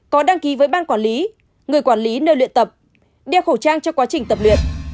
có đăng ký với ban quản lý người quản lý nơi luyện tập đeo khẩu trang cho quá trình tập luyện